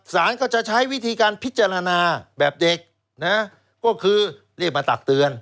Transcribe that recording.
สารก็จะใช้วิธีการพิจารณาแบบเด็กนะก็คือเรียกมาตักเตือน